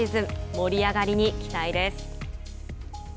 盛り上がりに期待です。